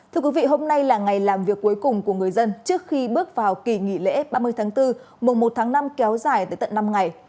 thưa quý vị hôm nay là ngày làm việc cuối cùng của người dân trước khi bước vào kỳ nghỉ lễ ba mươi tháng bốn mùa một tháng năm kéo dài tới tận năm ngày